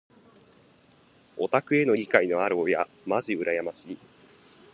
オタクへの理解のある親まじ羨ましい。